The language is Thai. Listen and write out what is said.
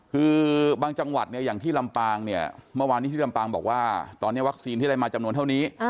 คือบางจังหวัดเนี่ยอย่างที่ลำปางเนี่ยเมื่อวานนี้ที่ลำปางบอกว่าตอนนี้วัคซีนที่ได้มาจำนวนเท่านี้